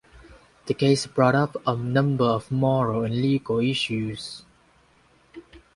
The case brought up a number of moral and legal issues.